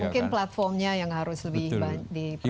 mungkin platformnya yang harus lebih diperlukan